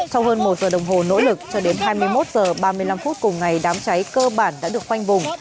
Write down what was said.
sau hơn một giờ đồng hồ nỗ lực cho đến hai mươi một h ba mươi năm phút cùng ngày đám cháy cơ bản đã được khoanh vùng